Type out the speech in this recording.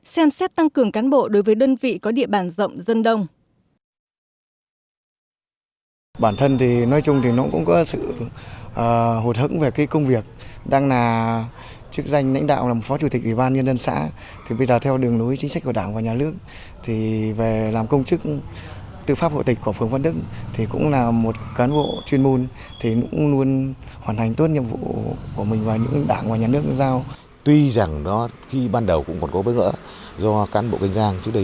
xem xét tăng cường cán bộ đối với đơn vị có địa bàn rộng dân đông